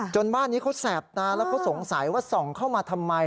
บ้านนี้เขาแสบตาแล้วเขาสงสัยว่าส่องเข้ามาทำไม